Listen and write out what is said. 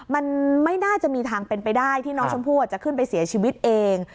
มันไม่น่าจะมีทางเป็นไปได้ที่น้องชมพู่อาจจะขึ้นไปเสียชีวิตเอง